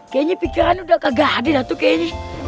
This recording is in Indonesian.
kayanya pikiran udah kagak ada tuh kayaknya